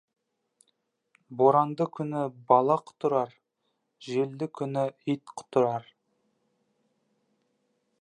Боранды күні бала құтырар, желді күні ит құтырар.